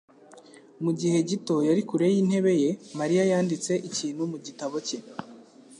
Mu gihe gito yari kure yintebe ye, Mariya yanditse ikintu mu gitabo cye.